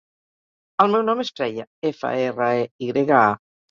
El meu nom és Freya: efa, erra, e, i grega, a.